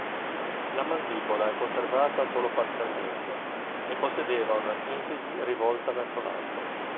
La mandibola è conservata solo parzialmente e possedeva una sinfisi rivolta verso l'alto.